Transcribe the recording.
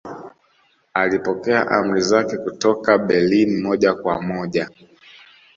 Alipokea amri zake kutoka Berlin moja kwa moja